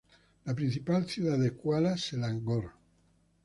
La principal ciudad de Kuala Selangor.